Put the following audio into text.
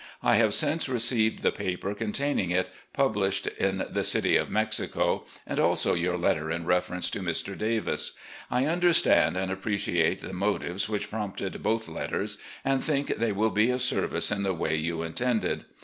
I have since received the paper containing it, published in the City of Mexico, and also your letter in reference to Mr. Davis. I under stand and appreciate the motives which prompted both letters, and think they will be of service in the way you intended.